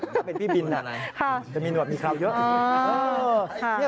ถ้าเป็นพี่บินจะมีหนวดมีข้าวเยอะ